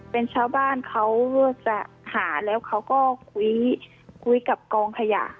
เป็นชาวบ้านเขาจะหาแล้วเขาก็คุยกับกองขยะ